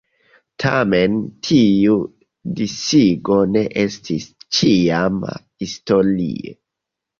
Tamen tiu disigo ne estis ĉiama historie.